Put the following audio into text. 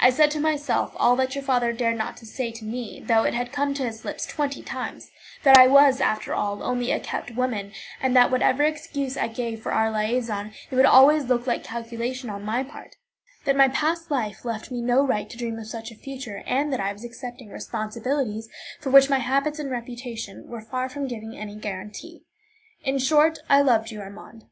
I said to myself all that your father dared not say to me, though it had come to his lips twenty times: that I was, after all, only a kept woman, and that whatever excuse I gave for our liaison, it would always look like calculation on my part; that my past life left me no right to dream of such a future, and that I was accepting responsibilities for which my habits and reputation were far from giving any guarantee. In short, I loved you, Armand.